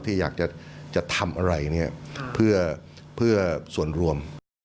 ที่อยากจะทำอะไรเนี่ยเพื่อส่วนรวม